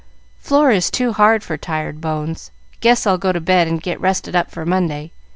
"Floor is too hard for tired bones. Guess I'll go to bed and get rested up for Monday.